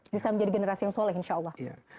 bisa menjadi generasi yang soleh insya allah